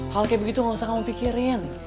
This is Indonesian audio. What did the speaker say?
hal kayak begitu gak usah kamu pikirin